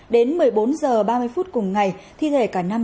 đến một mươi bốn h ba mươi phút cùng ngày thi thể cả nam